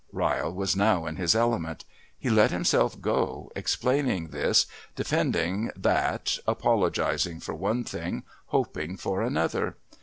Ryle was now in his element. He let himself go, explaining this, defending that, apologising for one thing, hoping for another.